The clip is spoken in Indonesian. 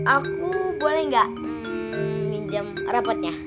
aku boleh nggak minjem rapotnya